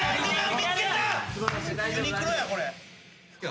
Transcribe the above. ユニクロやこれ。